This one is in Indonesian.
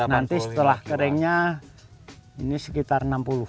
nanti setelah keringnya ini sekitar enam puluh